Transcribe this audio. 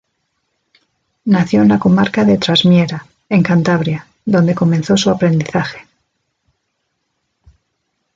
Nació en la comarca de Trasmiera en Cantabria, donde comenzó su aprendizaje.